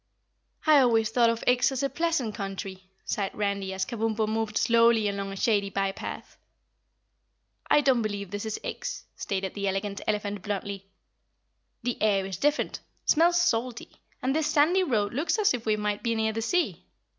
"I always thought of Ix as a pleasant country," sighed Randy as Kabumpo moved slowly along a shady by path. "I don't believe this is Ix," stated the Elegant Elephant bluntly. "The air's different, smells salty, and this sandy road looks as if we might be near the sea.